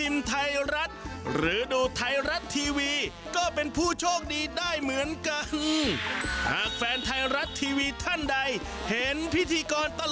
มาเป็นไรค่ะสวัสดีค่ะ